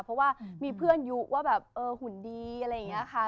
เพราะว่ามีเพื่อนยุว่าแบบเออหุ่นดีอะไรอย่างนี้ค่ะ